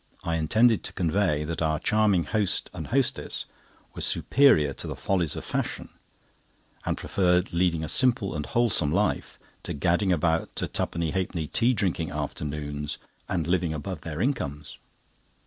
I intended to convey that our charming host and hostess were superior to the follies of fashion, and preferred leading a simple and wholesome life to gadding about to twopenny halfpenny tea drinking afternoons, and living above their incomes."